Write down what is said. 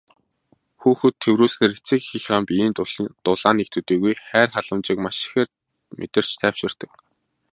Хүүхэд тэврүүлснээр эцэг эхийнхээ биеийн дулааныг төдийгүй хайр халамжийг маш ихээр мэдэрч тайвширдаг.